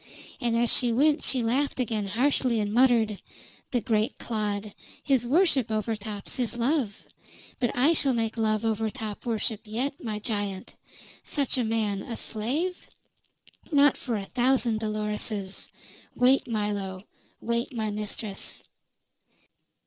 And as she went she laughed again harshly and muttered: "The great clod! His worship overtops his love. But I shall make love overtop worship yet, my giant! Such a man a slave? Not for a thousand Doloreses! Wait, Milo; wait, my mistress!"